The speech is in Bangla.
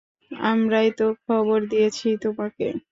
আমরাই তো খবর দিয়েছি তোমাকে।